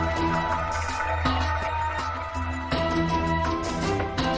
ก็ไม่น่าจะดังกึ่งนะ